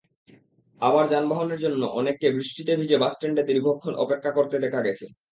আবার যানবাহনের জন্য অনেককে বৃষ্টিতে ভিজে বাসস্ট্যান্ডে দীর্ঘক্ষণ অপেক্ষা করতে দেখা গেছে।